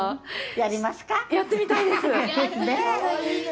やってみたいです。